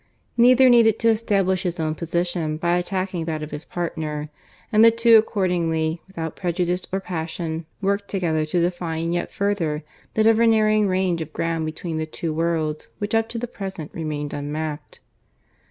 Neither needed to establish his own position by attacking that of his partner, and the two accordingly, without prejudice or passion, worked together to define yet further that ever narrowing range of ground between the two worlds which up to the present remained unmapped.